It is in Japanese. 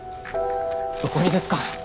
どこにですか。